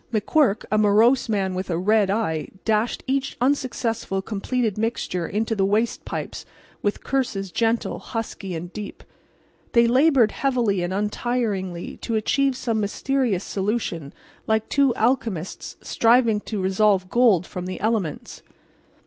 McQuirk, a morose man with a red eye, dashed each unsuccessful completed mixture into the waste pipes with curses gentle, husky and deep. They labored heavily and untiringly to achieve some mysterious solution like two alchemists striving to resolve gold from the elements.